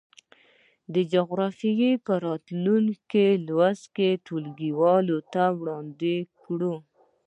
د جغرافيې په راتلونکي لوست یې ټولګیوالو ته وړاندې کړئ.